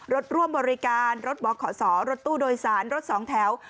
รถร่วมบริการรถบขสอรถตู้โดยสารรถสองแถว